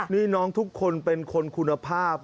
นี่น้องทุกคนเป็นคนคุณภาพ